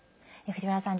藤原さん